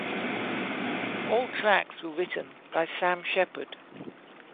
All tracks are written by Sam Shepherd.